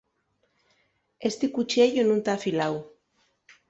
Esti cuchiellu nun ta afiláu.